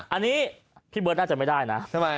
อันนี้พี่เบิร์ตน่าจะไม่ได้นะ